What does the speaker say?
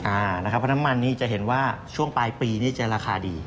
อ่านะครับน้ำมันนี่จะเห็นว่าช่วงปลายปีนี่จะราคาดี